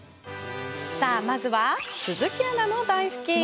まずは、鈴木アナの台ふきん。